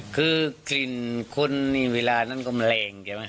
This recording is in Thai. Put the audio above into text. คือกลิ่นคนนี้เวลานั้นก็มันแรง